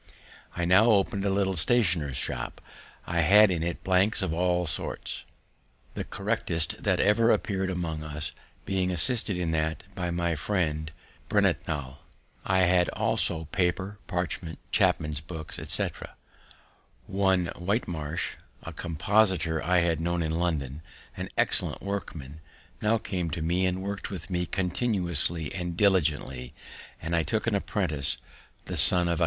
I now open'd a little stationer's shop. I had in it blanks of all sorts, the correctest that ever appear'd among us, being assisted in that by my friend Breintnal. I had also paper, parchment, chapmen's books, etc. One Whitemash, a compositor I had known in London, an excellent workman, now came to me, and work'd with me constantly and diligently; and I took an apprentice, the son of Aquilla Rose.